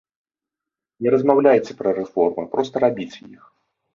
Не размаўляйце пра рэформы, проста рабіце іх.